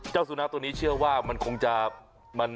เจ้าสุนัขตัวนี้เชื่อว่ามันคงจะ